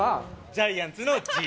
ジャイアンツのＧ！